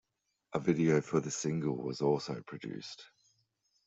A video for the single was also produced.